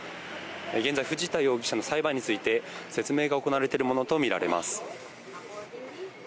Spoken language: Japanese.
現在、藤田容疑者の裁判について説明が行われているものとみられます。